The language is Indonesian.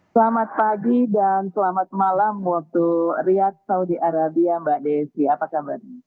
selamat pagi dan selamat malam waktu riyad saudi arabia mbak desi apa kabar